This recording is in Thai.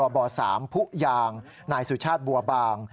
บ๓ผู้ยางนายสุชาติบัวบาง